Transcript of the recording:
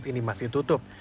tapi saat ini masih tutup